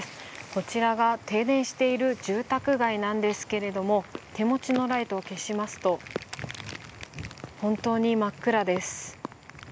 こちらが停電している住宅街なんですけれども、手持ちのライトを消しますと本当に真っ暗です。